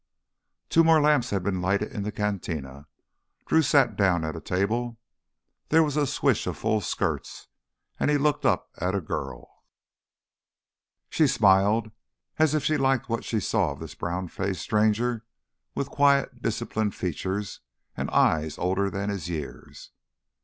Two more lamps had been lighted in the cantina. Drew sat down at a table. There was a swish of full skirts, and he looked up at a girl. She smiled as if she liked what she saw of this brown faced stranger with quiet, disciplined features and eyes older than his years.